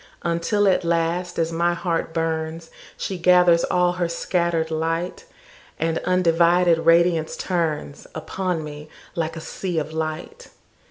Until at last, as my heart burns, She gathers all her scatter'd light, And undivided radiance turnsUpon me like a sea of light.